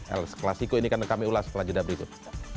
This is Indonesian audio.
el clasico ini akan kami ulas setelah jeda berikut